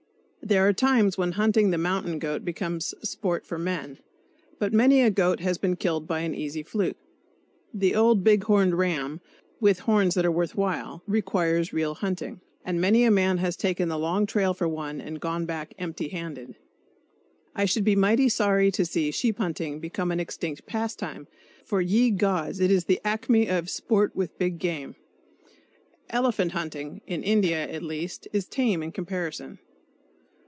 There are times when hunting the mountain goat becomes sport for men; but many a goat has been killed by an easy fluke. The old big horn ram, with horns that are worth while, requires real hunting, and many a man has taken the long trail for one and gone back empty handed. I should be mighty sorry to see sheep hunting become an extinct pastime; for ye gods! it is the acme of sport with big game! Elephant hunting (in India, at least) is tame in comparison.